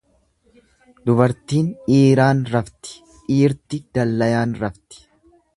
Dubartiin dhiiraan rafti, dhiirti dallayaan rafti.